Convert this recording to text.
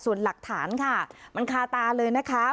ส่วนหลักฐานค่ะมันคาตาเลยนะคะ